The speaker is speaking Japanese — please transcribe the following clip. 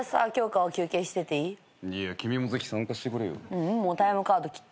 ううんもうタイムカード切った。